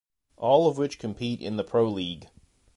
All of which compete in the Pro League.